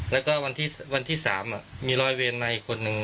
แล้วก็วันที่๓มีรอยเวรมาอีกคนนึง